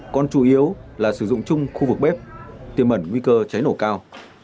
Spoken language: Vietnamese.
còn chủ yếu là sử dụng chung khu vực bếp tiềm ẩn nguy cơ cháy nổ cao